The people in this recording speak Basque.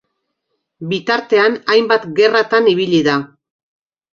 Bitartean hainbat gerratan ibili da.